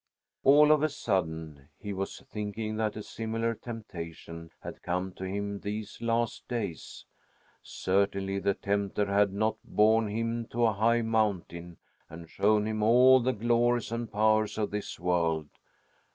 All of a sudden he was thinking that a similar temptation had come to him these last days. Certainly the tempter had not borne him to a high mountain and shown him all the glories and powers of this world!